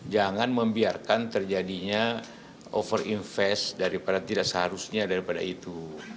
jangan membiarkan terjadinya overinvest daripada tidak seharusnya daripada itu